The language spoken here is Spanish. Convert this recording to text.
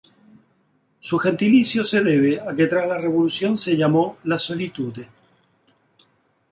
Su gentilicio se debe a que tras la Revolución se llamó "La Solitude".